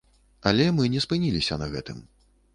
Але мы не спыніліся на гэтым.